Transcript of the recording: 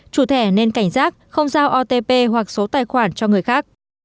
chủ thẻ nên cảnh giác không giao otp hoặc số tài khoản cho người khác